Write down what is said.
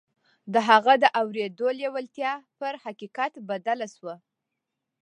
د هغه د اورېدو لېوالتیا پر حقيقت بدله شوه.